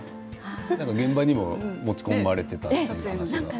現場にも持ち込まれてたという話が。